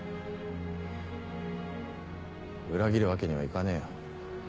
裏切るわけにはいかねえよ。